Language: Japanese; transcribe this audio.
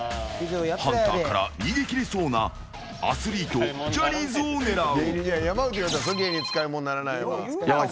ハンターから逃げ切れそうなアスリート、ジャニーズを狙う。